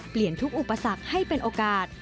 เปลี่ยนทุกอุปสรรคให้เป็นโอกาส